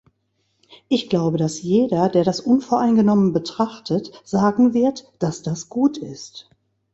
Ich glaube, dass jeder, der das unvoreingenommen betrachtet, sagen wird, dass das gut ist.